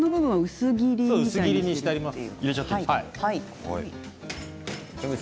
薄切りにしてあります。